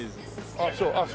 あっそう。